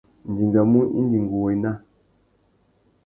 Nʼdingamú indi ngu wô ena.